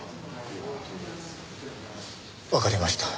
わかりました。